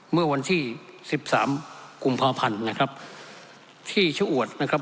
เมื่อวันที่สิบสามกุมภาพันธ์นะครับที่ชะอวดนะครับ